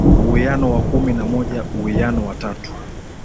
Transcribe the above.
uwiano wa kumi na moja uwiano wa tatu